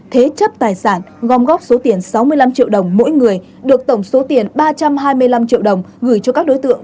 thế chấp tài sản gom góp số tiền sáu mươi năm triệu đồng mỗi người được tổng số tiền ba trăm hai mươi năm triệu đồng gửi cho các đối tượng